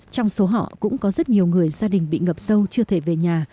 trong số họ cũng có rất nhiều người gia đình bị ngập sâu chưa thể về nhà